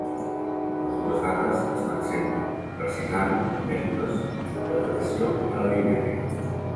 Les dues dates estan sent precisant amb mètodes de datació radiomètrica.